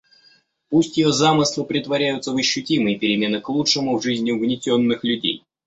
Пусть ее замыслы претворяются в ощутимые перемены к лучшему в жизни угнетенных людей.